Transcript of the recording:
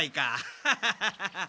ハハハハハ。